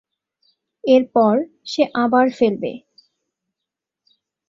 এর পর সে আবার ফেলবে।